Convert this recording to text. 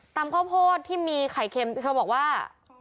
ข้าวโพดที่มีไข่เค็มเธอบอกว่า